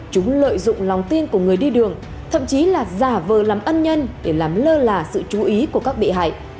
chúng lợi dụng lòng tin của người đi đường thậm chí là giả vờ làm ân nhân để làm lơ là sự chú ý của các bị hại